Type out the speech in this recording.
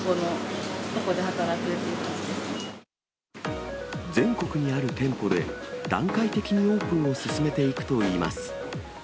ここで、全国にある店舗で、段階的にオープンを進めていくといいます。